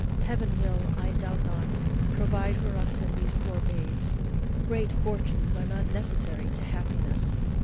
Heaven will, I doubt not, provide for us and these poor babes. Great fortunes are not necessary to happiness.